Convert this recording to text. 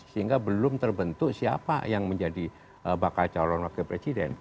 sehingga belum terbentuk siapa yang menjadi bakal calon wakil presiden